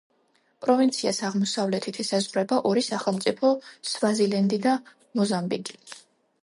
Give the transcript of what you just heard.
პროვინციას აღმოსავლეთით ესაზღვრება ორი სახელმწიფო სვაზილენდი და მოზამბიკი.